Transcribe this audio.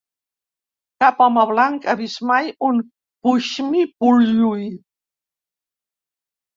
Cap home blanc ha vist mai un pushmi-pullyu.